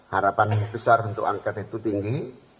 harapan besar untuk angket itu tinggi